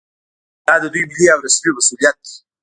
دا د دوی ملي او رسمي مسوولیت دی